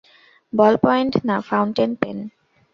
বল point না, fountain pen.